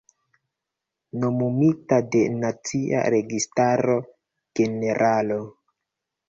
Nomumita de Nacia Registaro generalo.